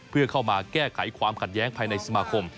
เพื่อเข้ามาแก้ไขความขัดแย้งภายในสมาคม